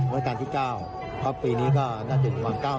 รัฐการณ์ที่๙เพราะปีนี้ก็๗๐๙๖